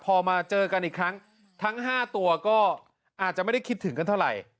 พอมาเจอกันอีกครั้งทั้ง๕ตัวก็อาจจะไม่ได้คิดถึงกันเท่าไหร่